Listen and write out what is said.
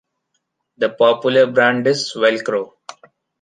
The popular brand is Velcro.